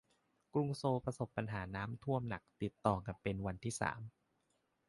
กรุงโซลประสบปัญหาน้ำท่วมหนักติดต่อกันเป็นวันที่สาม